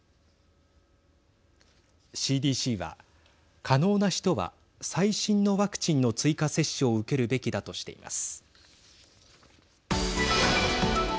ＣＤＣは可能な人は最新のワクチンの追加接種を受けるべきだとしています。